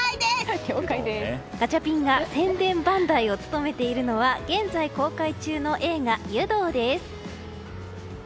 ガチャピンが宣伝番台を務めているのは現在公開中の映画「湯道」です。